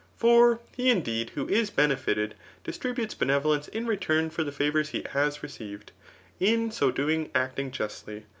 For, he indeed, who is benefited, distributes benevolence in return for the favours he has received, in so doing acting justly.